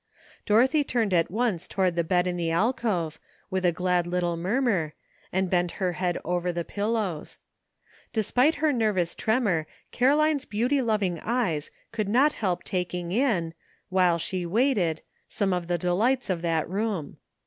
Dorothy turned at once toward the bed in the alcove, with a glad little murmur, and bent her head over the pillows. Despite her nervous tremor Caroline's beauty LEARXING. 243 loving eyes could not help taking in, while she waited, some of the delights of that room.